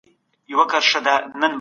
ښځه د کور ډیوه ده.